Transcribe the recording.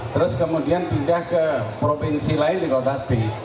terus kemudian pindah ke provinsi lain di kota b